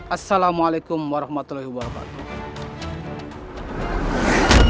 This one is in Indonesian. assalamualaikum warahmatullahi wabarakatuh